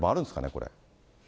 これ。